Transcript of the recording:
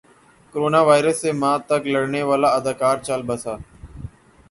corona virus سے ماہ تک لڑنے والا اداکار چل بسا